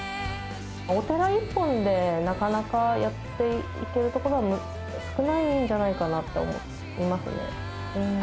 お寺一本でなかなかやっていけるところは、少ないんじゃないかなって思いますね。